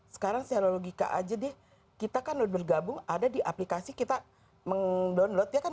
sekarang secara logika aja deh kita kan bergabung ada di aplikasi kita meng download